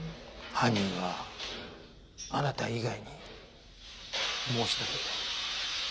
犯人はあなた以外にもう一人いた。